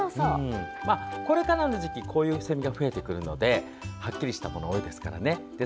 これからの時期こういうセミが増えてくるのではっきりしたものが多いですので。